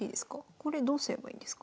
これどうすればいいんですか？